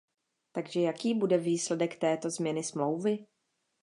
Takže jaký bude výsledek této změny Smlouvy?